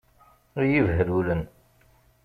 Ay ibehlulen!